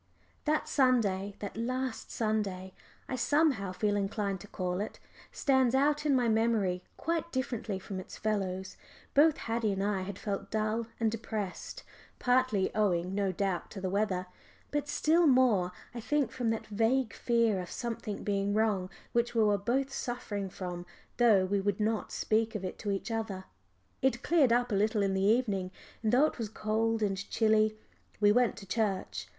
That Sunday that last Sunday I somehow feel inclined to call it stands out in my memory quite differently from its fellows. Both Haddie and I felt dull and depressed, partly owing no doubt to the weather, but still more, I think, from that vague fear of something being wrong which we were both suffering from, though we would not speak of it to each other. It cleared up a little in the evening, and though it was cold and chilly we went to church.